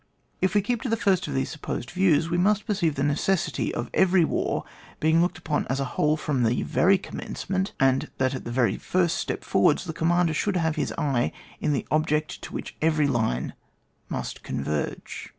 If we keep to the first of these sup posed views, we must perceive the neces sity of every war being looked upon as a whole from the very commencement, aud that at the very first step forwards, the commander should have in his eye the object to which every line must con verge.